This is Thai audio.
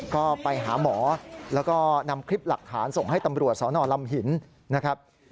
ก็ไปหาหมอแล้วก็นำคลิปหลักฐานส่งให้ตำรวจสนลำหินนะครับ